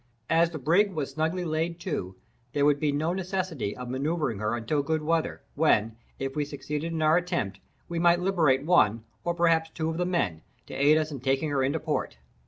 As the brig was snugly laid to, there would be no necessity of manoeuvring her until good weather, when, if we succeeded in our attempt, we might liberate one, or perhaps two of the men, to aid us in taking her into port.